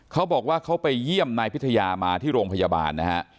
เขาบอกว่าเขาไปเยี่ยมนายพิทยามาที่โรงพยาบาลนะฮะ